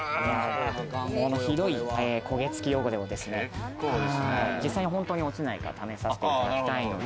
この、ひどい焦げ付き汚れをですね、実際に本当に落ちないか試させていただきたいので、